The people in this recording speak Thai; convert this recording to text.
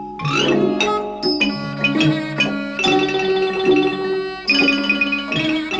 พฤทธิภรรณเดือน